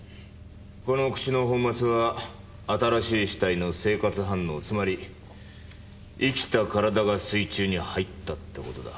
この口の泡沫は新しい死体の生活反応つまり生きた体が水中に入ったって事だ。